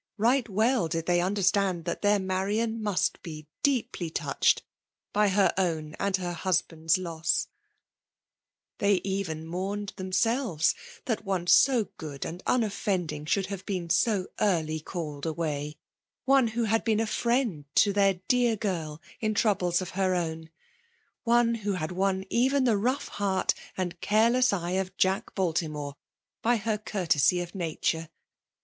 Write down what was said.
Right well did they understand that their Marian must be deeply touched by her own and her husband's loss. k FEMALE DOBCJNATION. UHh They even mourned, themselves, that one so good and unoffending should have been so. early called away ; one who. had been a friend to their dear girl in troubles of her own ; ojte. who had won even the rough heart and care* less eye of Jack Baltimore, by her courtesy of nature.